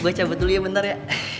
gue cabut dulu ya bentar ya